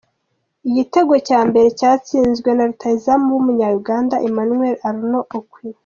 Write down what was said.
Igitego cya mbere cyatsinzwe na rutahizamu w’umunya-Uganda, Emmanuel Arnold Okwi.